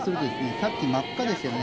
さっき真っ赤ですよね